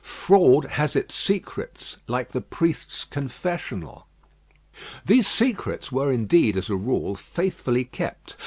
Fraud has its secrets like the priest's confessional. These secrets were indeed, as a rule, faithfully kept.